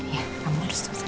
ya kamu urus dulu